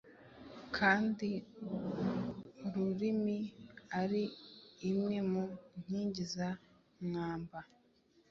kandi ururimi ari imwe mu nkingi za mwamba